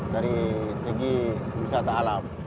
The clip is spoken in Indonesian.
dari segi wisata alam